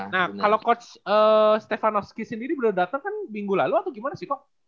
nah kalo coach stefanowski sendiri udah dateng kan minggu lalu atau gimana sih ko